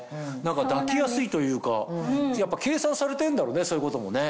抱きやすいというかやっぱ計算されてんだろうねそういうこともね。